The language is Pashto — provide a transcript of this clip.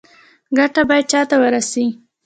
ګټه باید چا ته ورسي؟